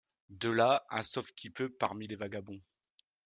De là un sauve-qui-peut parmi les vagabonds.